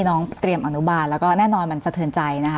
น้องเตรียมอนุบาลแล้วก็แน่นอนมันสะเทินใจนะคะ